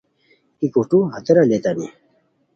ای کوٹو ہتیرا لیتانی